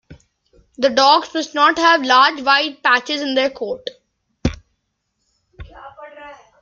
The dogs must not have large white patches in their coat.